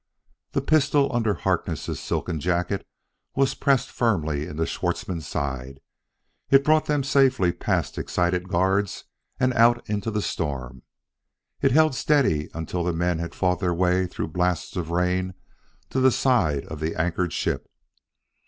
The pistol under Harkness' silken jacket was pressed firmly into Schwartzmann's side; it brought them safely past excited guards and out into the storm; it held steady until the men had fought their way through blasts of rain to the side of the anchored ship.